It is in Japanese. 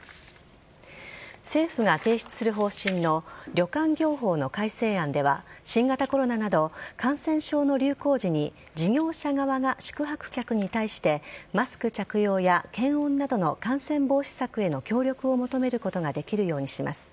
政府が提出する方針の旅館業法の改正案では新型コロナなど感染症の流行時に事業者側が宿泊客に対してマスク着用や検温などの感染防止策への協力を求めることができるようにします。